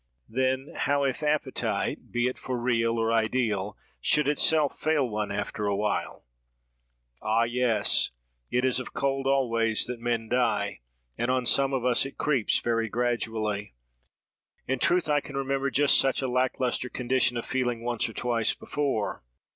"Then, how if appetite, be it for real or ideal, should itself fail one after awhile? Ah, yes! is it of cold always that men die; and on some of us it creeps very gradually. In truth, I can remember just such a lack lustre condition of feeling once or twice before.